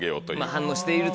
反応していると。